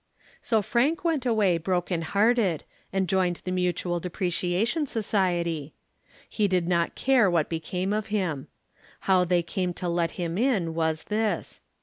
So Frank went away broken hearted, and joined the Mutual Depreciation Society. He did not care what became of him. How they came to let him in was this.